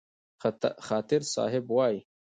خاطر صاحب وايي: